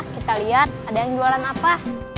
kita lihat ada yang jualan apa